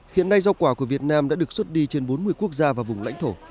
hiện nay rau quả của việt nam đã được xuất đi trên bốn mươi quốc gia và vùng lãnh thổ